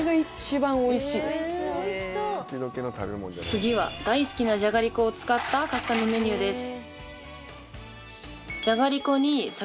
次は大好きなじゃがりこを使ったカスタムメニューです。